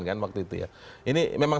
kan waktu itu ya ini memang